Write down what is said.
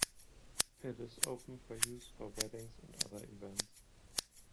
It is open for use for weddings and other events.